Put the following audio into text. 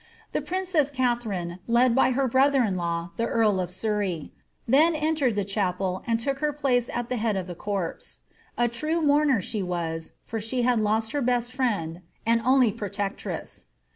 The princess Katharine, led by her brother in law, the earl of Surrey, then entered the chapel, and took her place at the head of the corpse ; I true mourner was she, for she had lost her best friend, and only pro tectress.